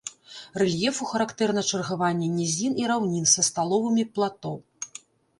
Рэльефу характэрна чаргаванне нізін і раўнін са сталовымі плато.